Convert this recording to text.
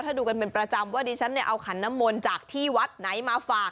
ถ้าดูกันเป็นประจำว่าดิฉันเนี่ยเอาขันน้ำมนต์จากที่วัดไหนมาฝาก